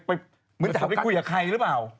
เหมือนจะไปคุยกับใครหรือเปล่า